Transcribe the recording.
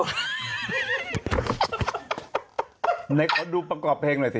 ไหนขอดูประกอบเพลงหน่อยสิ